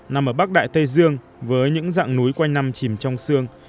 nằm ở bắc đại tây dương với những dạng núi quanh năm chìm trong sương